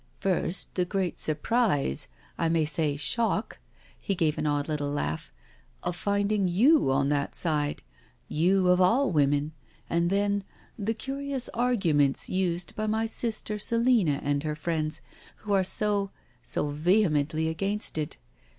•• First the great surprise — I may say, shock "— ^he gave an odd little laugh—" of finding you on that side — you of all women — and then, the curious arguments used by my sister Selina and her friends, who are so ... so vehemently against it.